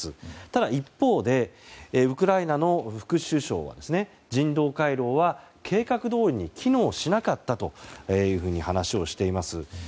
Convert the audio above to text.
ただ、一方でウクライナの副首相は人道回廊は計画どおりに機能しなかったと話をしています。